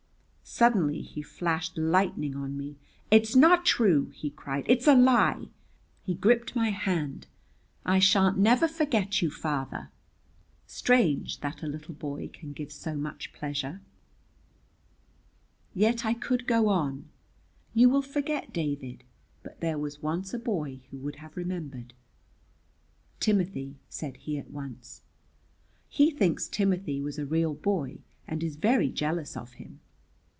Suddenly he flashed lightning on me. "It's not true," he cried, "it's a lie!" He gripped my hand. "I sha'n't never forget you, father." Strange that a little boy can give so much pleasure. Yet I could go on. "You will forget, David, but there was once a boy who would have remembered." "Timothy?" said he at once. He thinks Timothy was a real boy, and is very jealous of him.